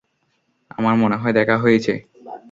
আমার মনে হয় দেখা হয়েছে।